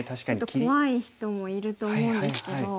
ちょっと怖い人もいると思うんですけど。